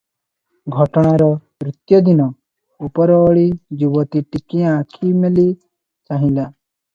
ଘଟଣାର ତୃତୀୟ ଦିନ ଉପରଓଳି ଯୁବତୀ ଟିକିଏ ଆଖି ମେଲି ଚାହିଁଲା ।